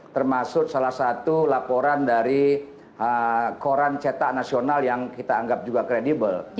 termasuk salah satu laporan dari koran cetak nasional yang kita anggap juga kredibel